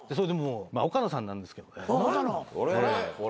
岡野さんなんですけど。